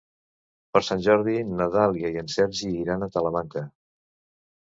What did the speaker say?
Per Sant Jordi na Dàlia i en Sergi iran a Talamanca.